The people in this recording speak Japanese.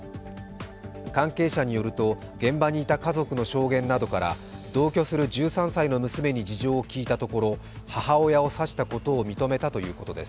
関係者によると、現場にいた家族の証言などから同居する１３歳の娘に事情を聴いたところ、母親を刺したことを認めたということです。